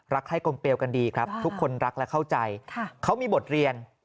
ให้กลมเปลวกันดีครับทุกคนรักและเข้าใจเขามีบทเรียน